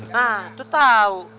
nah tuh tau